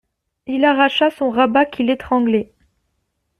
Il arracha son rabat qui l'étranglait.